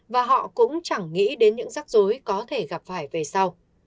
và họ cũng chẳng nghĩ đến những rắc rối có thể gặp phải về sau